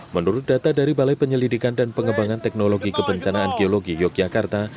menurut data dari balai penyelidikan dan pengembangan teknologi kebencanaan geologi yogyakarta